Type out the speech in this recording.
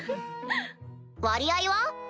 割合は？